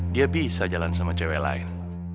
dia bisa jalan sama cewek lain